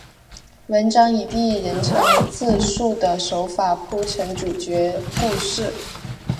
文章以第一人称自叙的手法铺陈主角的故事。